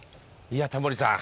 いやタモリさん。